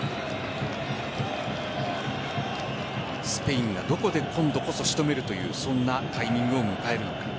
スペインがどこで今度こそ仕留めるというそのタイミングを迎えるのか。